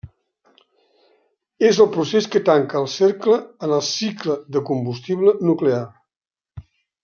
És el procés que tanca el cercle en el cicle del combustible nuclear.